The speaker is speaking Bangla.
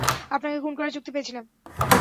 আপনাকে খুন করার চুক্তি পেয়েছিলাম।